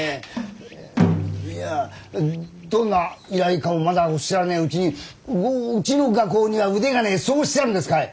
いやどんな依頼かもまだおっしゃらねえうちにうちの画工には腕がねえそうおっしゃるんですかい？